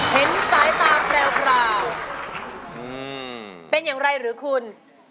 เห็นสายตาแพรวเป็นอย่างไรหรือคุณ